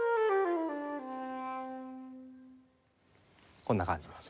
こんな感じです。